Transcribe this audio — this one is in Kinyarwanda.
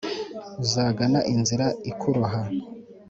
uzagana inzira ikuroha